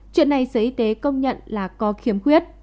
chuyện này sở y tế công nhận là có khiếm khuyết